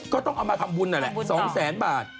ก็ต้องเอามาทำบุญนั่นแหละ๒แสนบาท